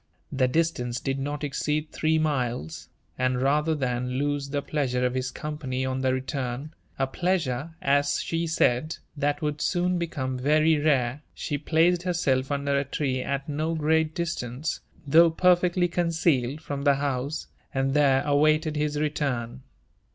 The distance did not lOH UF£ AND ADVENTURES OF exceed three miles ; and rather than lose the pleasure of his company on the return, — ^a pleasure, as she said, that would soon hecome very rare, — ^she placed herself under a tree at no great distance, though per fectly concealed, from the house, and there awaited his return.